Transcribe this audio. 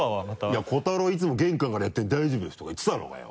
いや瑚太郎「いつも玄関からやってるんで大丈夫です」とか言ってただろうがよ！